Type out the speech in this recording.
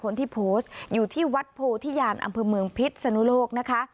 คนที่โพสต์อยู่ที่วัดโพธิญาณอำเภอเมืองพิษสนุโลกนะคะ